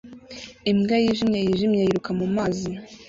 Imbwa yijimye yijimye yiruka mumazi